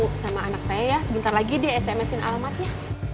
ketemu sama anak saya ya sebentar lagi dia sms in alamatnya